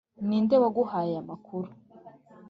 ninde waguhaye aya makuru?